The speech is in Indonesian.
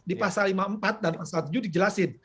di pasal lima puluh empat dan pasal tujuh dijelasin